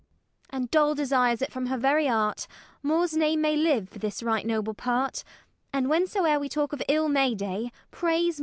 And Doll desires it from her very heart, More's name may live for this right noble part; And whensoere we talk of ill May day, Praise More....